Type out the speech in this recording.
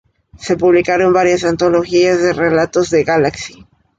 Se publicaron varias antologías de relatos de "Galaxy".